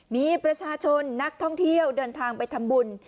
มีประชาชนนักท่องเที่ยวเดินทางไปทำบุญ